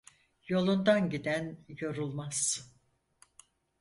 Yolundan giden yorulmaz.